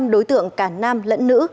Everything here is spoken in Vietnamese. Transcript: hai mươi năm đối tượng cả nam lẫn nữ